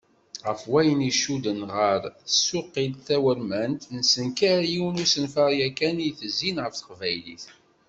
Ɣef wayen icudden ɣer tsuqilt tawurmant, nsenker yiwen n usenfar yakan i itezzin ɣef teqbaylit.